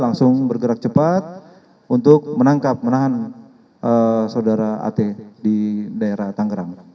langsung bergerak cepat untuk menangkap menahan saudara at di daerah tangerang